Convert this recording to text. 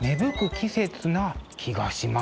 季節な気がします。